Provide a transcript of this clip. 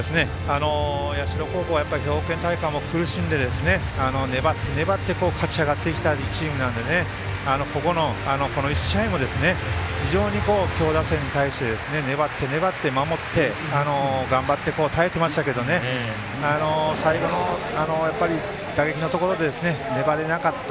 社高校はやはり兵庫県大会も苦しんで粘って、粘って勝ち上がってきたチームなのでこの１試合も非常に強打線に対して粘って、粘って、守って頑張って耐えていましたけど最後の打撃のところで粘れなかった。